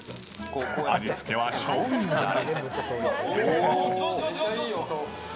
味付けはしょうゆだれ。